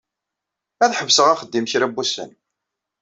Ad ḥebseɣ axeddim kra n wussan.